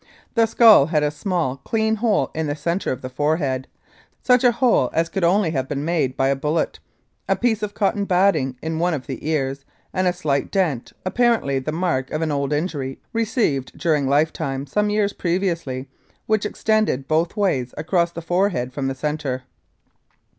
The skull had a small, clean hole in the centre of the forehead, such a hole as could only have been made by a bullet, a piece of cotton batting in one of the ears, and a slight dent, apparently the mark of an old injury received during lifetime some years previously, which extended both ways across the forehead from the centre.